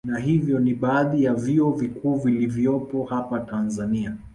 Na hivyo ni baadhi ya vyuo vikuu vilivyopo hapa Tanzania